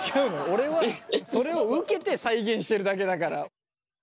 俺はそれを受けて再現してるだけだから。